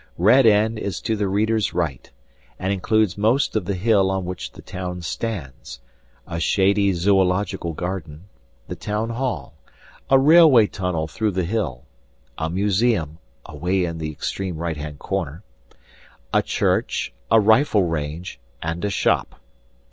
Red End is to the reader's right, and includes most of the hill on which the town stands, a shady zoological garden, the town hall, a railway tunnel through the hill, a museum (away in the extreme right hand corner), a church, a rifle range, and a shop.